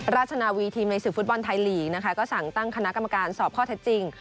ราชนาวีทีมในศึกฟุตบอลไทยลีกนะคะก็สั่งตั้งคณะกรรมการสอบข้อเท็จจริง